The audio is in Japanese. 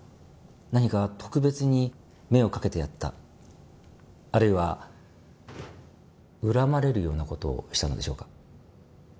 何か特別に目をかけてやったあるいは恨まれるような事をしたのでしょうか？